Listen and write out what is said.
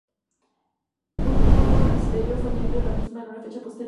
Un monasterio fue añadido a la misma en una fecha posterior.